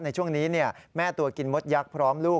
ในช่วงนี้แม่ตัวกินมดยักษ์พร้อมลูก